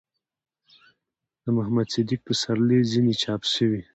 ،د محمد صديق پسرلي ځينې چاپ شوي